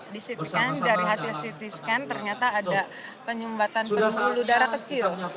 di situ dari hasil ct scan ternyata ada penyumbatan pembuluh darah kecil